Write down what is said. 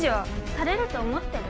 されると思ってる？